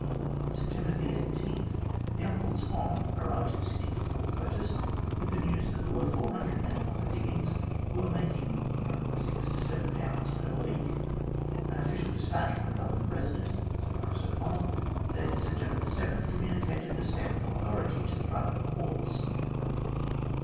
On September 18 the Uncle Tom arrived at Sydney from Port Curtis with the news that there were 400 men upon the diggings, who were making from 6 to 7 per week. An official despatch from the Government Resident, Sir Maurice O'Connell, dated September 7, communicated the stamp of authority to the private reports.